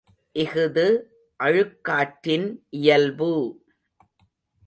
இஃது அழுக்காற்றின் இயல்பு!